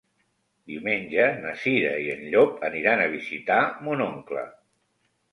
Diumenge na Cira i en Llop aniran a visitar mon oncle.